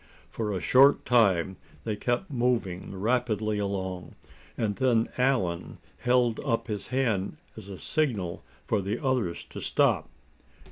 For a short time they kept moving rapidly along. And then Allan held up his hand as a signal for the others to stop.